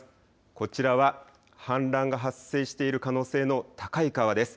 こちらは氾濫が発生している可能性の高い川です。